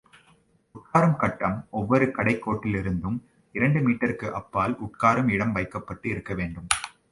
உட்காரும் கட்டம் ஒவ்வொரு கடைக் கோட்டிலிருந்தும் இரண்டு மீட்டருக்கு அப்பால் உட்காரும் இடம் வைக்கப்பட்டு இருக்க வேண்டும்.